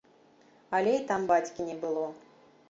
Але і там бацькі не было.